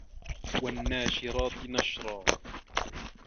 وَالنّاشِراتِ نَشرًا